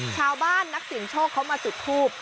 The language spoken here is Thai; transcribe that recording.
ชาวบ้านนักสินโชคเขามาจุดทูป